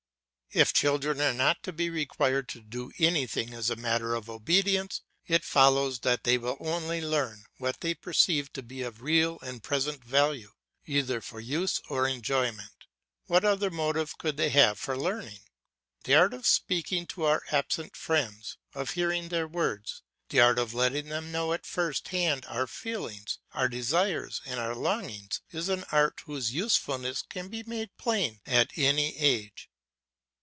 If children are not to be required to do anything as a matter of obedience, it follows that they will only learn what they perceive to be of real and present value, either for use or enjoyment; what other motive could they have for learning? The art of speaking to our absent friends, of hearing their words; the art of letting them know at first hand our feelings, our desires, and our longings, is an art whose usefulness can be made plain at any age.